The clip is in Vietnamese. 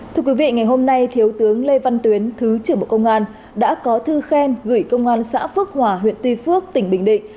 thưa quý vị ngày hôm nay thiếu tướng lê văn tuyến thứ trưởng bộ công an đã có thư khen gửi công an xã phước hòa huyện tuy phước tỉnh bình định